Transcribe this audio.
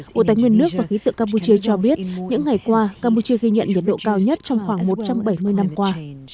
bộ tài nguyên nước và khí tượng campuchia cho biết những ngày qua campuchia ghi nhận nhiệt độ cao nhất trong khoảng một trăm bảy mươi năm qua